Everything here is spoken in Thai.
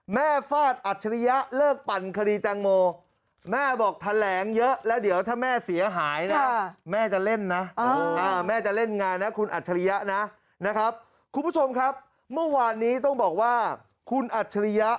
แม่ฟาดอัตเชลยเลิกปั่นคดีจังโมส์